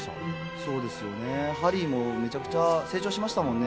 ハリーもめちゃくちゃ成長しましたもんね。